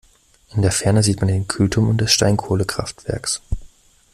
In der Ferne sieht man den Kühlturm des Steinkohlekraftwerks.